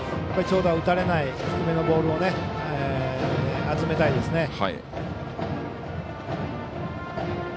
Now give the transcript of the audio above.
長打を打たれない低めのボールを集めたいですね。